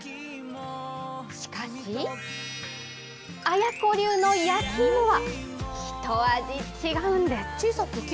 しかし、あや子流の焼き芋は、ひと味違うんです。